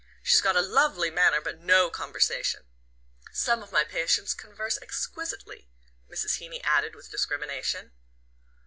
She's got a lovely manner, but NO conversation. Some of my patients converse exquisitely," Mrs. Heeny added with discrimination.